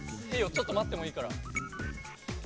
ちょっと待ってもいいから。